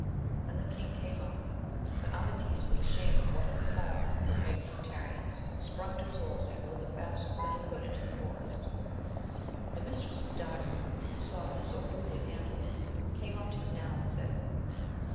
Then the king came up ; but Amadis, for the shame of what had befallen him, would make no tarriance, but sprung to his horse, and rode the fastest that he could into the forest. The mistress of Dardan, who saw him so rudely handled, came up to him now and said.